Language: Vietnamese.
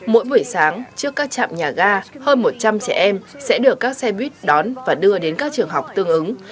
mỗi buổi sáng trước các trạm nhà ga hơn một trăm linh trẻ em sẽ được các xe buýt đón và đưa đến các trường học tương ứng